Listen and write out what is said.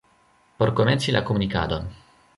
Por komenci la komunikadon.